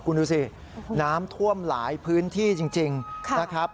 คุณดูสิน้ำท่วมหลายพื้นที่จริงนะครับ